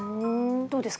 どうですか？